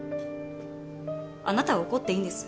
あなたは怒っていいんです。